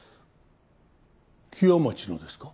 木屋町のですか？